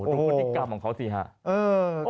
ดูควริกรรมของเขาสิครับ